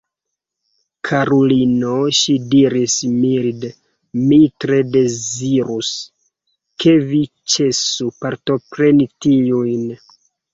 Karulino, ŝi diris milde, mi tre dezirus, ke vi ĉesu partopreni tiujn.